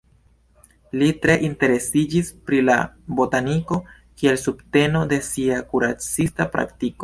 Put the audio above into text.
Li tre interesiĝis pri la botaniko kiel subteno de sia kuracista praktiko.